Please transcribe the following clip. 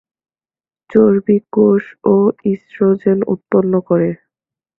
চর্বি কোষও ইস্ট্রোজেন উৎপন্ন করে।